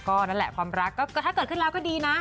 ก็นั่นแหละความรักก็ถ้าเกิดขึ้นแล้วก็ดีนะ